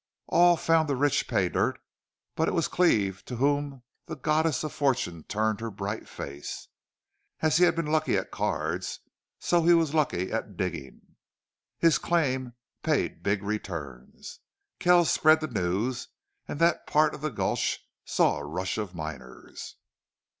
All found the rich pay dirt, but it was Cleve to whom the goddess of fortune turned her bright face. As he had been lucky at cards, so he was lucky at digging. His claim paid big returns. Kells spread the news, and that part of the gulch saw a rush of miners.